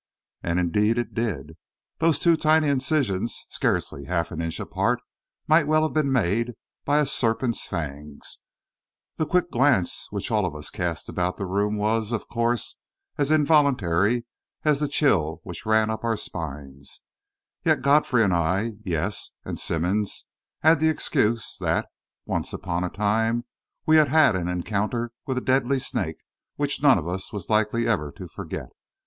And, indeed, it did. Those two tiny incisions, scarcely half an inch apart, might well have been made by a serpent's fangs. The quick glance which all of us cast about the room was, of course, as involuntary as the chill which ran up our spines; yet Godfrey and I yes, and Simmonds had the excuse that, once upon a time, we had had an encounter with a deadly snake which none of us was likely ever to forget.